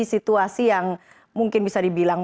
situasi yang mungkin bisa dibilang